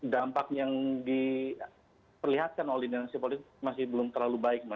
dampak yang diperlihatkan oleh dinasi politik masih belum terlalu baik mbak